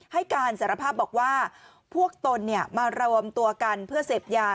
ให้การสารภาพบอกว่าพวกตนมารวมตัวกันเพื่อเสพยา